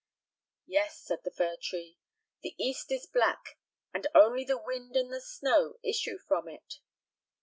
"Yes," said the fir tree, "the east is black, and only the wind and the snow issue from it."